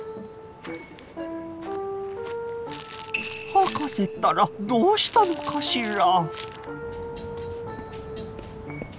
博士ったらどうしたのかしら？